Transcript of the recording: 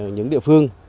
những địa phương